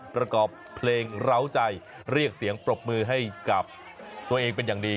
ประกอบเพลงเหล้าใจเรียกเสียงปรบมือให้กับตัวเองเป็นอย่างดี